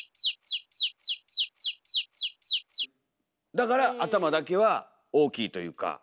だから頭だけは大きいというか。